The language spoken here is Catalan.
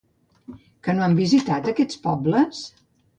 Que no han visitat aquests pobles?